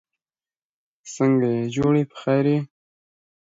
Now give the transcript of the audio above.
They often have a deep dark color with high level of alcohol.